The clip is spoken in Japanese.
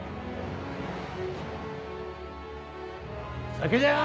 酒じゃあ！